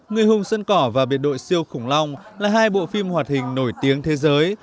người hùng sân cỏ và biệt đội siêu củng lòng là hai bộ phim hoạt hình nổi tiếng thế giới